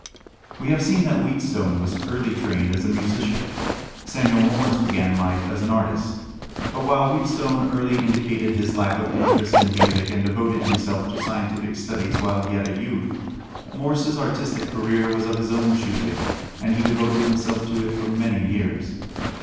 We have seen that Wheatstone was early trained as a musician. Samuel Morse began life as an artist. But while Wheatstone early indicated his lack of interest in music and devoted himself to scientific studies while yet a youth, Morse's artistic career was of his own choosing, and he devoted himself to it for many years.